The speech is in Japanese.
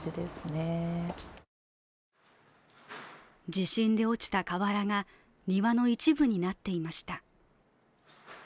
地震で落ちた瓦が庭の一部になっていました。